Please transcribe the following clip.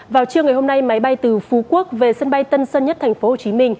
vào trưa ngày hôm nay máy bay từ phú quốc về sân bay tân sơn nhất tp hcm